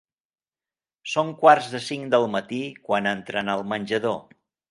Són quarts de cinc del matí quan entren al menjador.